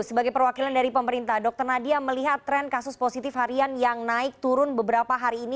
sebagai perwakilan dari pemerintah dr nadia melihat tren kasus positif harian yang naik turun beberapa hari ini